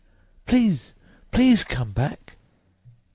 Please, please come back!"